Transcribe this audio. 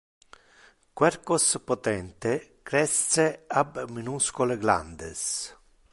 Quercos potente cresce ab minuscule glandes.